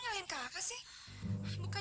kemarin kamu kemana